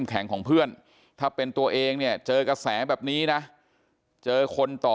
แม่น้องชมพู่แม่น้องชมพู่แม่น้องชมพู่แม่น้องชมพู่